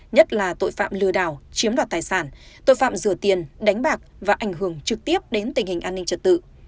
nhất là tội phạm lừa đảo chiếm đoạt tài sản tội phạm rửa tiền đánh bạc và ảnh hưởng trực tiếp đến tình hình an ninh trật tự